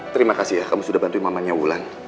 terima kasih ya kamu sudah bantu mamanya wulan